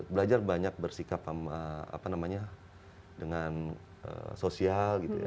belajar banyak bersikap dengan sosial